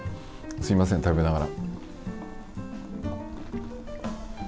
すみません、食べながら。